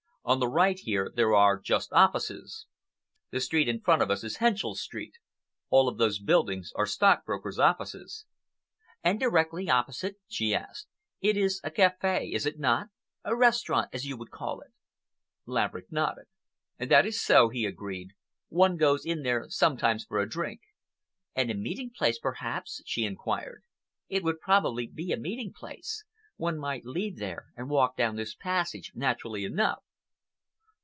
On the right here there are just offices. The street in front of us is Henschell Street. All of those buildings are stockbrokers' offices." "And directly opposite," she asked,—"that is a café, is it not,—a restaurant, as you would call it?" Laverick nodded. "That is so," he agreed. "One goes in there sometimes for a drink." "And a meeting place, perhaps?" she inquired. "It would probably be a meeting place. One might leave there and walk down this passage naturally enough."